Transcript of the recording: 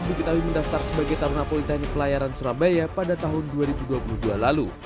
begitu mendaktar sebagai tarunapolitanya pelayaran surabaya pada tahun dua ribu dua puluh dua lalu